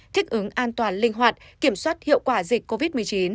thích ứng an toàn linh hoạt kiểm soát hiệu quả dịch covid một mươi chín